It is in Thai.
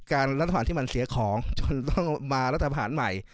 การรัสอาหารที่มันเสียของจนต้องมารัสอาหารใหม่